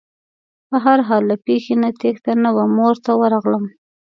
په هر حال له پېښې نه تېښته نه وه مور ته ورغلم.